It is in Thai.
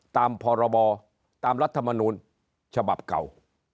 ตามพรบตามรัฐมนูลฉบับเก่า